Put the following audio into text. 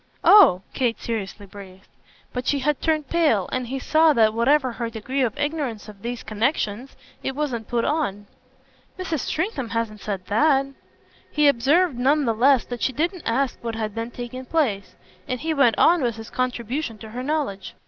"Oh!" Kate seriously breathed. But she had turned pale, and he saw that, whatever her degree of ignorance of these connexions, it wasn't put on. "Mrs. Stringham hasn't said THAT." He observed none the less that she didn't ask what had then taken place; and he went on with his contribution to her knowledge.